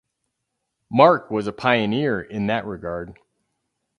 Mark was a pioneer in that regard.